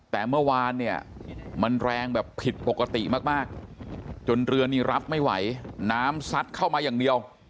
แต่เมื่อวานเนี่ยมันแรงแบบผิดปกติมากจนเรือนี่รับไม่ไหวน้ำซัดเข้ามาอย่างเดียว